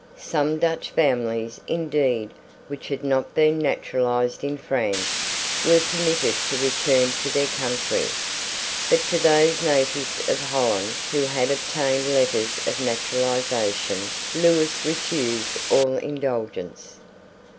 Some Dutch families, indeed, which had not been naturalised in France, were permitted to return to their country. But to those natives of Holland who had obtained letters of naturalisation Lewis refused all indulgence.